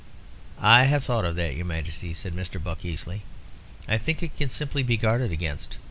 "I have thought of that, your Majesty," said Mr. Buck, easily, "and I think it can simply be guarded against.